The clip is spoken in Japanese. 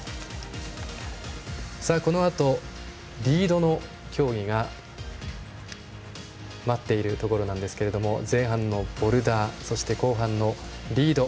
このあと、リードの競技が待っているところなんですけども前半のボルダーそして、後半のリード。